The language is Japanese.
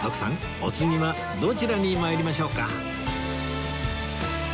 お次はどちらに参りましょうか？